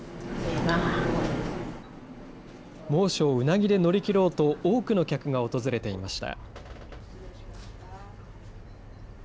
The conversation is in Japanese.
猛暑をうなぎで乗り切ろうと、多くの客が訪れていました。